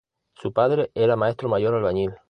Su padre era maestro mayor albañil.